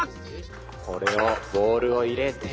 これをボールを入れて。